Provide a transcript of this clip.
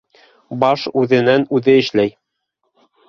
Баш үҙенән-үҙе эшләй.